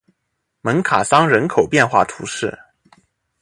蒙卡桑人口变化图示